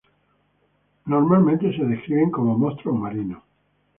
Usualmente se describen como monstruos marinos.